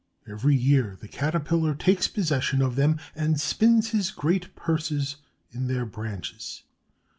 Every year the Caterpillar takes possession of them and spins his great purses in their branches.